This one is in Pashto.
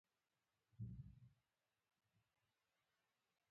زموږ د کلي خلک د مذهبي ارزښتونو خورا درناوی کوي